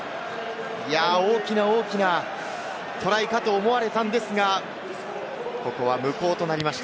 大きなトライかと思われたんですが、ここは無効となりました。